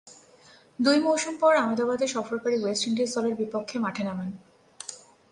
দুই মৌসুম পর আহমেদাবাদে সফরকারী ওয়েস্ট ইন্ডিজ দলের বিপক্ষে মাঠে নামেন।